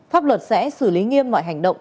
pháp luật sẽ xử lý nghiêm mọi hành động